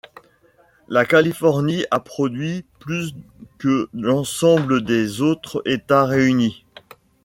La Californie a produit plus que l'ensemble des autres états réunis.